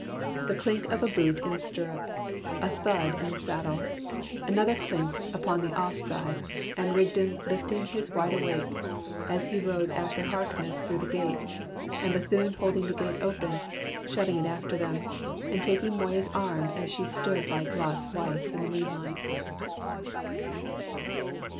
The clink of a boot in a stirrup, a thud in the saddle, another clink upon the off side; and Rigden lifting his wideawake as he rode after Harkness through the gate; and Bethune holding the gate open, shutting it after them, and taking Moya's arm as she stood like Lot's wife in the moonlight.